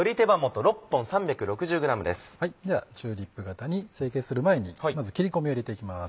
チューリップ形に成形する前にまず切り込みを入れていきます。